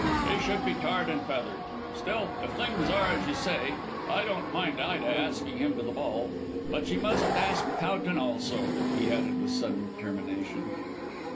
"He should be tarred and feathered. Still, if things are as you say, I don't mind Ida asking him to the ball. But she must ask Towton also," he added with sudden determination.